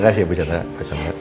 makasih ya bu cendera pak cendera